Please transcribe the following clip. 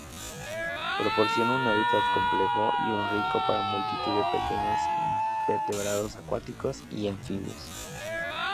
Proporciona un hábitat complejo y rico para multitud de pequeños invertebrados acuáticos y anfibios.